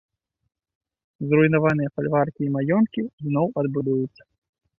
Зруйнаваныя фальваркі і маёнткі зноў адбудуюцца.